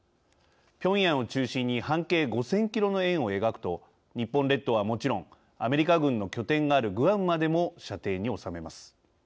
ピョンヤンを中心に半径５０００キロの円を描くと日本列島はもちろんアメリカ軍の拠点があるグアムまでも射程に収めます。